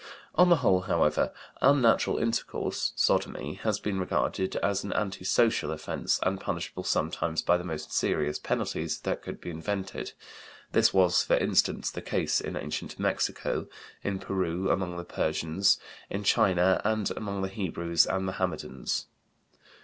On the whole, however, unnatural intercourse (sodomy) has been regarded as an antisocial offense, and punishable sometimes by the most serious penalties that could be invented. This was, for instance, the case in ancient Mexico, in Peru, among the Persians, in China, and among the Hebrews and Mohammedans.